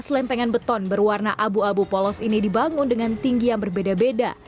dua ribu tujuh ratus sebelas lempengan beton berwarna abu abu polos ini dibangun dengan tinggi yang berbeda beda